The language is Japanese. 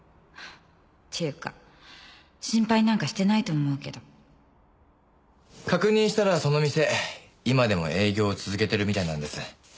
「ていうか心配なんかしてないと思うけど」確認したらその店今でも営業を続けてるみたいなんです。